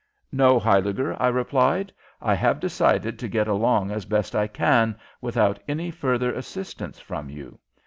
"No, Huyliger," I replied. "I have decided to get along as best I can without any further assistance from you.